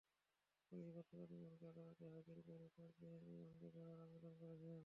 Police গতকাল ইমনকে আদালতে হাজির করে পাঁচ দিনের রিমান্ডে নেওয়ার আবেদন করে।